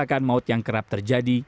dan kecepatan yang kerap terjadi